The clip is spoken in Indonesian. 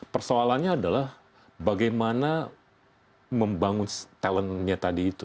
persoalannya adalah bagaimana membangun talentnya tadi itu